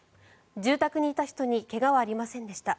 住宅にいた人に怪我はありませんでした。